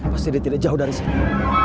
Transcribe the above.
pasti dia tidak jauh dari sini